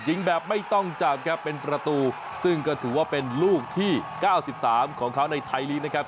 ยิงแบบไม่ต้องจับครับเป็นประตูซึ่งก็ถือว่าเป็นลูกที่๙๓ของเขาในไทยลีกนะครับ